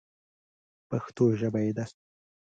پښتو ژبه یې ده.